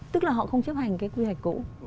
tức là họ không chấp hành cái quy hoạch cũ